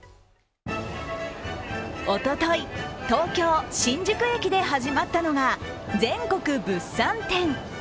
おととい、東京・新宿駅で始まったのが全国物産展。